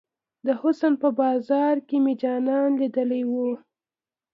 د حسن په بازار کې مې جانان ليدلی وه.